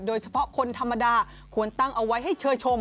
โดยเฉพาะคนธรรมดาควรตั้งเอาไว้ให้เชิญชม